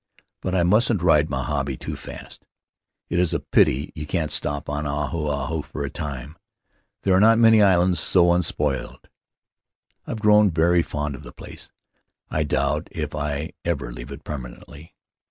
But I mustn't ride my hobby too fast. "It is a pity you can't stop on Ahu Ahu for a time — there are not many islands so unspoiled. I've grown very fond of the place; I doubt if I ever leave it per manentlv.